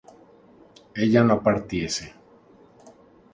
ella no partiese